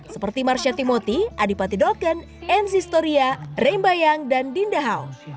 seperti marcia timoti adipati dolken enzi storia reem bayang dan dinda hao